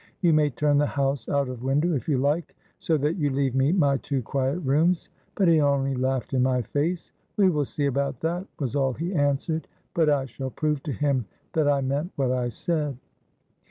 'You may turn the house out of window if you like, so that you leave me my two quiet rooms;' but he only laughed in my face. 'We will see about that,' was all he answered, but I shall prove to him that I meant what I said."